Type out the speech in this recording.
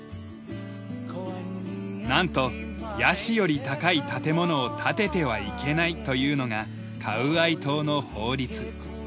なんとヤシより高い建物を建ててはいけないというのがカウアイ島の法律。